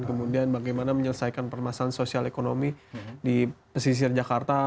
kemudian bagaimana menyelesaikan permasalahan sosial ekonomi di pesisir jakarta